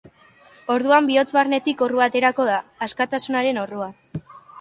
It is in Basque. Orduan bihotz barnetik orrua aterako da, askatasunaren orrua.